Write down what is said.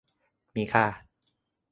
มีค่า